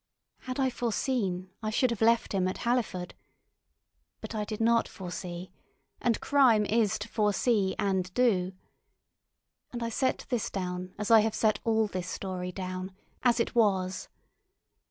Had I foreseen, I should have left him at Halliford. But I did not foresee; and crime is to foresee and do. And I set this down as I have set all this story down, as it was.